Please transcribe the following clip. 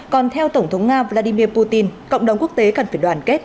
còn theo tổng thống nga vladimir putin cộng đồng quốc tế cần phải đoàn kết